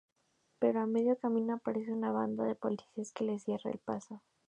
Pero a medio camino aparece una banda de policías que les cierra el paso.